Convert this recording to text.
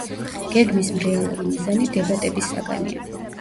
გეგმის რეალური მიზანი დებატების საგანია.